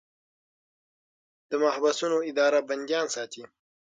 د محبسونو اداره بندیان ساتي